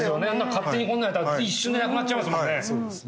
勝手にこんなのやったら一瞬でなくなっちゃいますもんね。